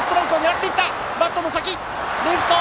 レフト！